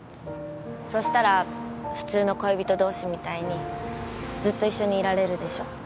そうしたら普通の恋人同士みたいにずっと一緒にいられるでしょ。